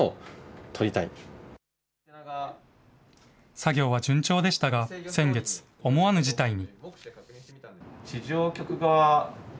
作業は順調でしたが、先月、思わぬ事態に。